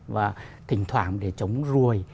và thỉnh thoảng để chống ruồi